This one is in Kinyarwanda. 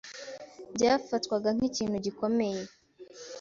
byafatwaga nk’ikintu gikomeye